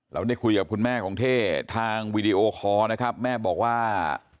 เราได้คุยกับคุณแม่ของเท่ทางวีดีโอคอร์นะครับแม่บอกว่า